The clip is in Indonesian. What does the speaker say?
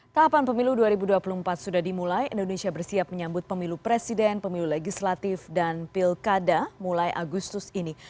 tahapan pemilu dua ribu dua puluh empat sudah dimulai indonesia bersiap menyambut pemilu presiden pemilu legislatif dan pilkada mulai agustus ini